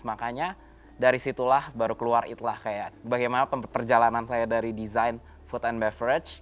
makanya dari situlah baru keluar itulah kayak bagaimana perjalanan saya dari desain food and beverage